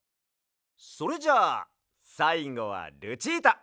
それじゃあさいごはルチータ！